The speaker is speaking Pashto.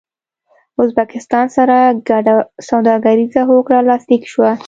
ازبکستان سره ګډه سوداګريزه هوکړه لاسلیک شوه